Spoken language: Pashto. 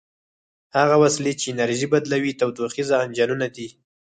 هغه وسیلې چې انرژي بدلوي تودوخیز انجنونه دي.